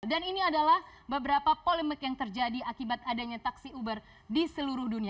dan ini adalah beberapa polemik yang terjadi akibat adanya taksi uber di seluruh dunia